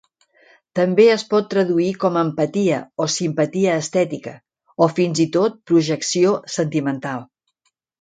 També es pot traduir com empatia o simpatia estètica, o fins i tot projecció sentimental.